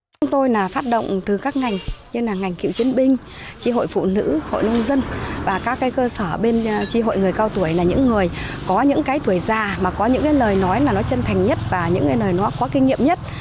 chúng tôi là phát động từ các ngành như là ngành kiệu chiến binh tri hội phụ nữ hội nông dân và các cơ sở bên tri hội người cao tuổi là những người có những cái tuổi già mà có những lời nói là nó chân thành nhất và những lời nó có kinh nghiệm nhất